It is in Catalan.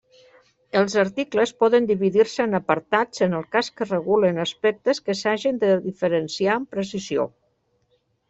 Els articles poden dividir-se en apartats en el cas que regulen aspectes que s'hagen de diferenciar amb precisió.